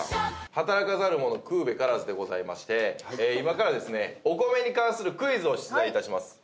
働かざる者食うべからずでございまして今からですねお米に関するクイズを出題致します。